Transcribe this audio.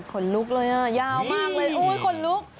คนลุกเลยอ่ะยาวมากเลยโอ้ยขนลุก